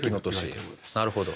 なるほど。